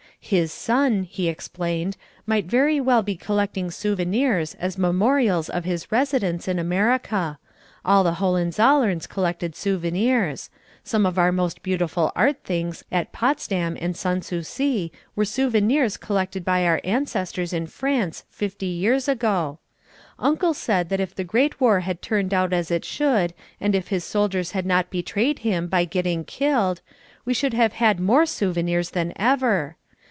His son, he explained, might very well be collecting souvenirs as memorials of his residence in America: all the Hohenzollerns collected souvenirs: some of our most beautiful art things at Potsdam and Sans Souci were souvenirs collected by our ancestors in France fifty years ago. Uncle said that if the Great War had turned out as it should and if his soldiers had not betrayed him by getting killed, we should have had more souvenirs than ever.